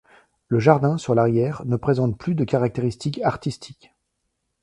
Le jardin sur l'arrière ne présente plus de caractère artistique.